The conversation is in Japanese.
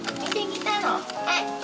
はい。